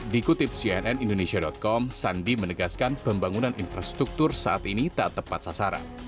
dikutip cnn indonesia com sandi menegaskan pembangunan infrastruktur saat ini tak tepat sasaran